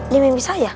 dia main bisa ya